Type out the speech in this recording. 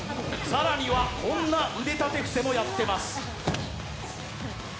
更には、こんな腕立て伏せもやってます。